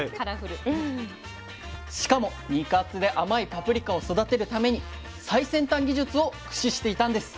しかも肉厚で甘いパプリカを育てるために最先端技術を駆使していたんです。